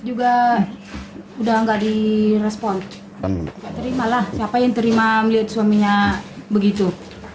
juga udah nggak di respon terimalah siapa yang terima melihat suaminya begitu